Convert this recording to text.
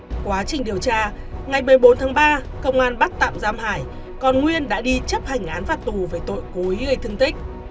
trong quá trình điều tra ngày một mươi bốn tháng ba công an bắt tạm giam hải còn nguyên đã đi chấp hành án phạt tù về tội cố ý gây thương tích